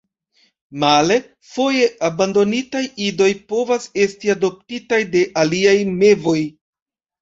Male, foje abandonitaj idoj povas esti adoptitaj de aliaj mevoj.